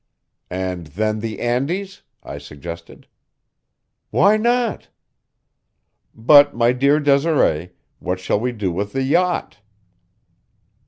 "And then the Andes?" I suggested. "Why not?" "But, my dear Desiree, what shall we do with the yacht?"